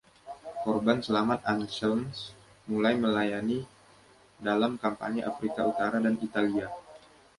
Korban selamat "Anselm"s mulai melayani dalam kampanye Afrika Utara dan Italia.